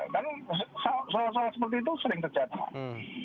kan soal soal seperti itu sering tercatat